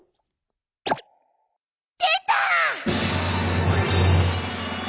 でた！